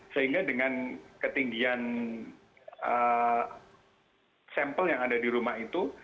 sehingga dengan ketinggian sampel yang ada di rumah itu